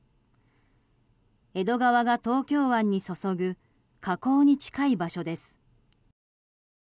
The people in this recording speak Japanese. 江戸川が東京湾に注ぐ河口に近い場所です。